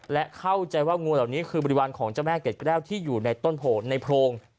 และเข้าใจว่างูเหล่านี้คือบริวารของเจ้าแม่เกร็ดแก้วที่อยู่ในต้นโพลในโพรง